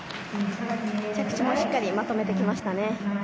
着地もしっかりまとめてきましたね。